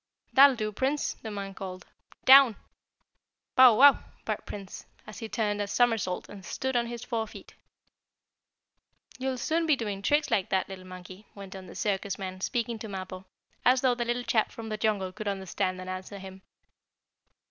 "That'll do, Prince!" the man called. "Down!" "Bow wow!" barked Prince, as he turned a somersault, and stood on his four feet. "You'll soon be doing tricks like that, little monkey," went on the circus man, speaking to Mappo, as though the little chap from the jungle could understand and answer him.